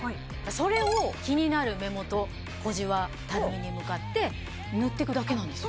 それを気になる目元小じわたるみに向かって塗ってくだけなんですよ。